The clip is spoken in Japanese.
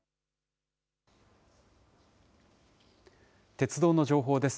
鉄道の情報です。